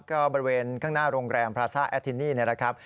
ก็บริเวณข้างหน้าโรงแรมพราซ่าแอทินี่นะครับ